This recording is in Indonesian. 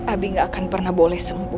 abi gak akan pernah boleh sempur